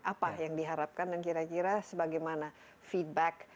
apa yang diharapkan dan kira kira sebagaimana feedback